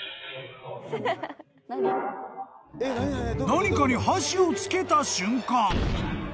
［何かに箸をつけた瞬間］